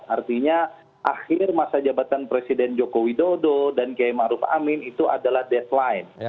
artinya akhir masa jabatan presiden jokowi dodo dan kiai ma'ruf amin itu adalah deadline